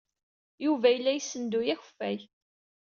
Yuba yella yessenduy akeffay.